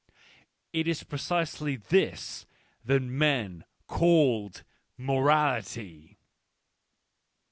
It is precisely this that men called morality.